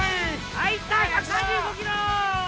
はいいった１３５キロ！